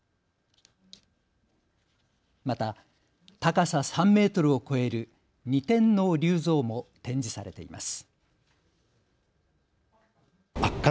また高さ３メートルを超える二天王立像も展示されています。